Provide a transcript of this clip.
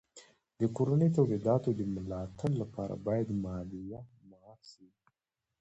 د کورنیو تولیداتو د ملا تړ لپاره باید مالیه معاف سي.